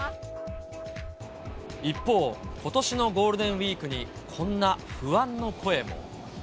一方、ことしのゴールデンウィークにこんな不安の声も。